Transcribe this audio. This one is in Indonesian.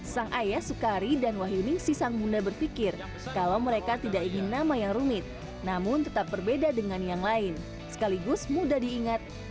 sang ayah sukari dan wahyuning si sang bunda berpikir kalau mereka tidak ingin nama yang rumit namun tetap berbeda dengan yang lain sekaligus mudah diingat